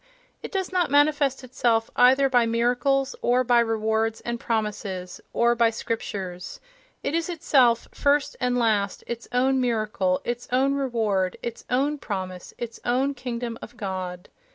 It does not manifest itself either by miracles, or by rewards and promises, or by "scriptures": it is itself, first and last, its own miracle, its own reward, its own promise, its own "kingdom of God."